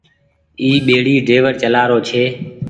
اي ٻيڙي ڊيور چلآ رو ڇي۔